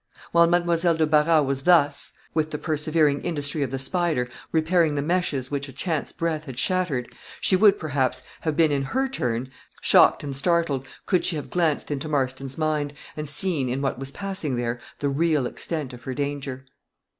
While Mademoiselle de Barras was thus, with the persevering industry of the spider, repairing the meshes which a chance breath had shattered, she would, perhaps, have been in her turn shocked and startled, could she have glanced into Marston's mind, and seen, in what was passing there, the real extent of her danger.